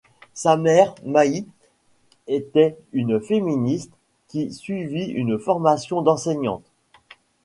Sa mère, May, était une féministe qui suivit une formation d’enseignante.